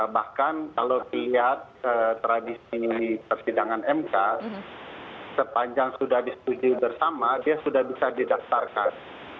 bahkan kalau dilihat tradisi persidangan mk sepanjang sudah disetujui bersama dia sudah bisa didaftarkan